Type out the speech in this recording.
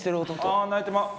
ああ泣いてまう。